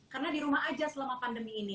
karena di rumah aja selama pandemi ini